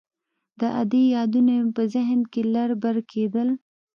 د ادې يادونه مې په ذهن کښې لر بر کېدل.